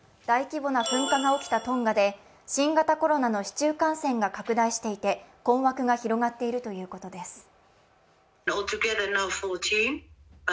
大規模な噴火が起きたトンガで新型コロナの市中感染が広がっていて困惑が広がっているということです。